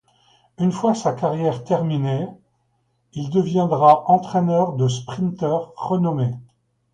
Une fois sa carrière terminée, il deviendra entraîneur de sprinteurs renommés.